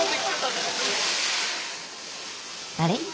あれ？